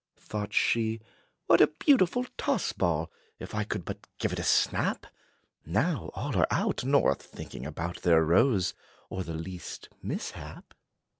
Thought she, "What a beautiful toss ball, If I could but give it a snap, Now all are out, nor thinking about Their rose, or the least mishap!"